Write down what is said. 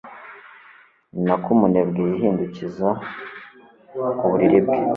ni na ko umunebwe yihindukiza ku buriri bwe